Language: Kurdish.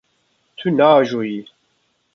Tu naajoyî.